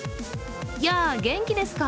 やあ、元気ですか？